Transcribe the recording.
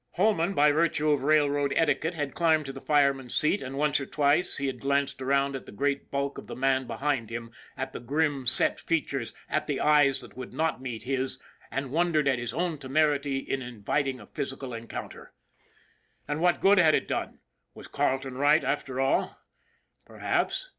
Holman, by virtue of railroad etiquette, had climbed to the fireman's seat and once or twice he had glanced around at the great bulk of the man behind him, at the grim, set features, at the eyes that would not meet his, and wondered at his own temerity in inviting a physi cal encounter. And what good had it done? Was Carleton right after all? Perhaps.